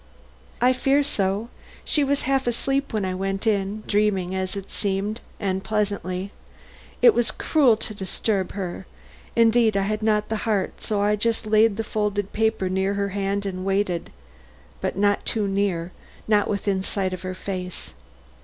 "I fear so. She was half asleep when I went in, dreaming as it seemed, and pleasantly. It was cruel to disturb her; indeed I had not the heart, so I just laid the folded paper near her hand and waited, but not too near, not within sight of her face.